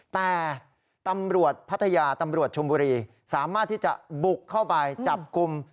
แต่ตำรวจพัทยาตำรวจชมบุรีสามารถที่จะบุกเข้าไปจับกลุ่ม